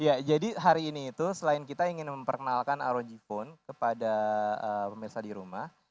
ya jadi hari ini itu selain kita ingin memperkenalkan rog phone kepada pemirsa di rumah